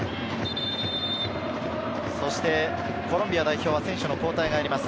そしてコロンビア代表は選手の交代があります。